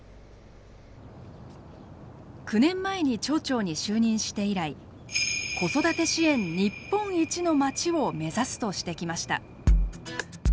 ９年前に町長に就任して以来「子育て支援日本一の町を目指す」としてきました。